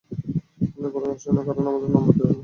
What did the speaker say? পরে রহস্যজনক কারণে আমার নাম বাদ দিয়ে অন্যজনের নাম পাঠানো হয়।